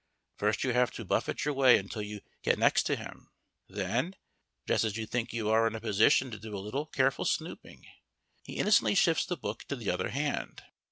First you have to buffet your way until you get next to him. Then, just as you think you are in a position to do a little careful snooping, he innocently shifts the book to the other hand.